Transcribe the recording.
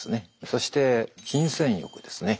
そして金銭欲ですね。